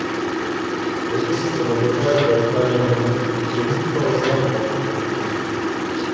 Почув, що наближається остання година, і йому стало жаль молодого життя.